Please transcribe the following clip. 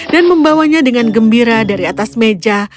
dan membawanya dengan gembira dari atas meja